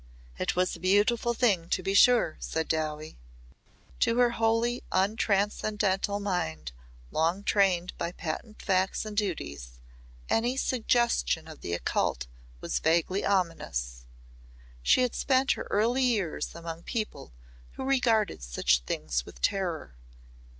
"It was a beautiful thing, to be sure," said Dowie. To her wholly untranscendental mind, long trained by patent facts and duties, any suggestion of the occult was vaguely ominous. She had spent her early years among people who regarded such things with terror.